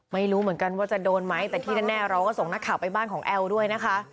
ไม่รู้เหมือนกันว่าจะโดนไหมแต่ที่แน่เราก็ส่งนักข่าวไปบ้านของแอลด้วยนะคะ